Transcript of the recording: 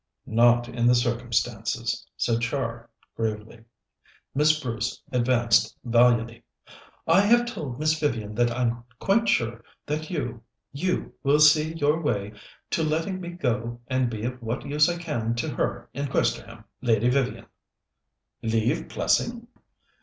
"Not in the circumstances," said Char gravely. Miss Bruce advanced valiantly. "I have told Miss Vivian that I'm quite sure that you you will see your way to letting me go and be of what use I can to her in Questerham, Lady Vivian." "Leave Plessing?"